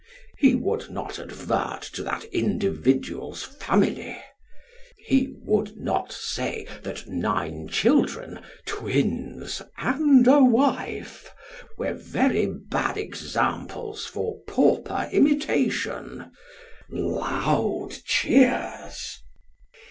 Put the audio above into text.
He would not advert to that individual's family ; ho would not say, that nine children, twins, and a wife, were very bad examples for pauper imitation (loud cheers).